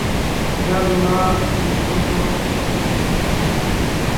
হে আল্লাহ, এই সফর আর কতক্ষণ চলবে?